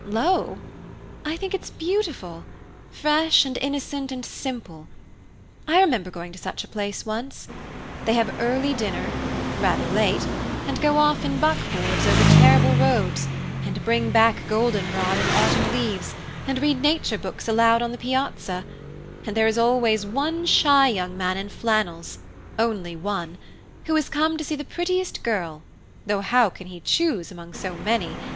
"Low? I think it's beautiful fresh and innocent and simple. I remember going to such a place once. They have early dinner rather late and go off in buckboards over terrible roads, and bring back golden rod and autumn leaves, and read nature books aloud on the piazza; and there is always one shy young man in flannels only one who has come to see the prettiest girl (though how he can choose among so many!)